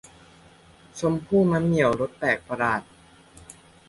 ชมพู่มะเหมี่ยวรสแปลกประหลาด